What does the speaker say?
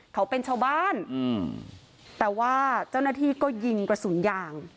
เขาเป็นชาวบ้านแต่ว่าเจ้าหน้าที่ก็ยิงกระสุนยาง